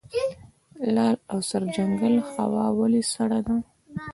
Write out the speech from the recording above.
لعل او سرجنګل هوا ولې سړه ده؟